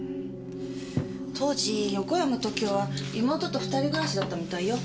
当時横山時雄は妹と２人暮らしだったみたいよ。